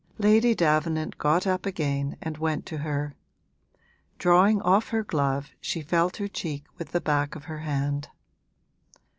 Lady Davenant got up again and went to her; drawing off her glove she felt her cheek with the back of her hand.